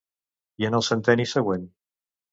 I en el centenni següent?